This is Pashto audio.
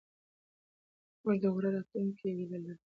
موږ د غوره راتلونکي هیله لرو.